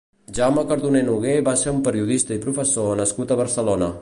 Jaume Cardoner Nogué va ser un periodista i professor nascut a Barcelona.